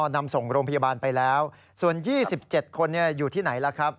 นำส่งโรงพยาบาลไปแล้วส่วน๒๗คนอยู่ที่ไหนล่ะครับ